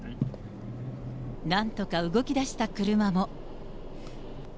なんとか動きだした車も。